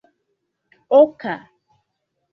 oka